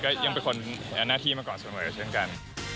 ก็ยังเป็นคนหน้าที่มาก่อนส่วนไว้กันเช่นกัน